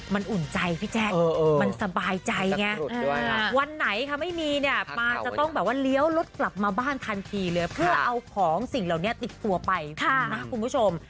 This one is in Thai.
มันอุ่นใจพี่แจ๊คมันสบายใจไงวันไหนค่ะไม่มีเนี่ยป๊าจะต้องแบบว่าเลี้ยวรถกลับมาบ้านทันทีเลยเพื่อเอาของสิ่งเหล่านี้ติดตัวไปนะคุณผู้ชม